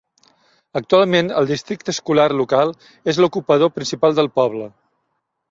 Actualment, el districte escolar local és l'ocupador principal del poble.